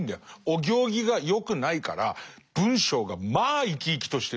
お行儀が良くないから文章がまあ生き生きとしてる。